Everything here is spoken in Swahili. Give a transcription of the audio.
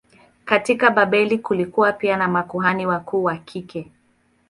Katika Babeli kulikuwa pia na makuhani wakuu wa kike.